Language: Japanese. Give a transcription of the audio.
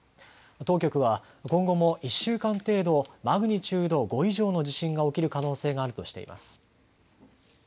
当局は今後も１週間程度、マグニチュード５以上の地震が起きる可能性があるとしています。